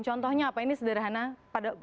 contohnya apa ini sederhana